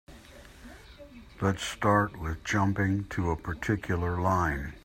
Let's start with jumping to a particular line.